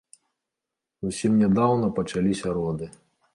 Зусім нядаўна пачаліся роды.